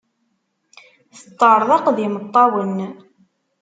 Teṭṭerḍeq d imeṭṭawen.